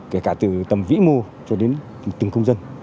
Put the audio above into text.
để cả từ tầm vĩ mô cho đến tỉnh công dân